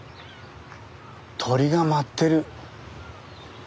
鳥が舞ってる。